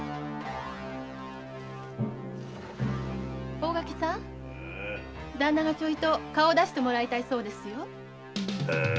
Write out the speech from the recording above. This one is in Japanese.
大垣さん旦那が顔を出してもらいたいそうですよ。